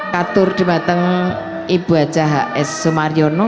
katur dumateng ibu aja ha es sumaryono